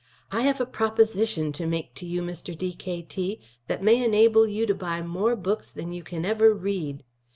I have a proposition to make to you, Mr. D.K.T., that may enable you to buy more books than you can ever read.